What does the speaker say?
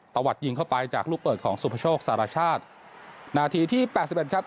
ตะวัดยิงเข้าไปจากลูกเปิดของสุภโชคสารชาตินาทีที่แปดสิบเอ็ดครับ